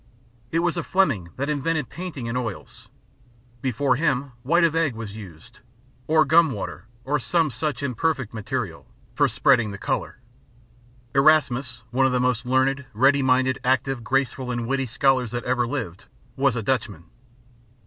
It was a Fleming that invented painting in oils. Before him, white of egg was used, or gum water, or some such imperfect material, for spreading the color. Erasmus, one of the most learned, ready minded, acute, graceful and witty scholars that ever lived, was a Dutchman.